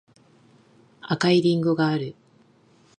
赤いりんごがある